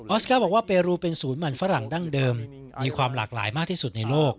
สก้าบอกว่าเปรูเป็นศูนย์มันฝรั่งดั้งเดิมมีความหลากหลายมากที่สุดในโลก